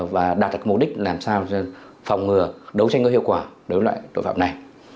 và đạt mục đích làm sao phòng ngừa đấu tranh có hiệu quả đối với loại tội phạm này